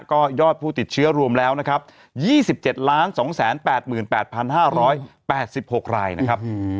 ก็ยอดผู้ติดเชื้อรวมแล้วนะครับ๒๗๒๘๘๕๘๖รายนะครับ